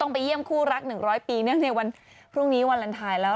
ต้องไปเยี่ยมคู่รัก๑๐๐ปีเพราะวันพรุ่งนี้วันลันทายแล้ว